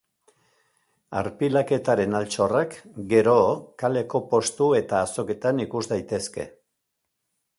Arpilaketaren altxorrak, gero, kaleko postu eta azoketan ikus daitezke.